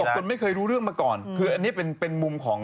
คุณพ่อบอกว่าไม่เคยรู้เรื่องมาก่อนคืออันนี้เป็นมุมของ